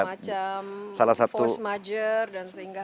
semacam force major dan sehingga